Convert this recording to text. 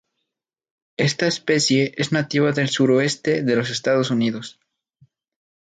Esta especie es nativa del suroeste de los Estados Unidos.